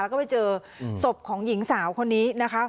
แล้วก็ไปเจอศพของหญิงสาวคนนี้นะคะ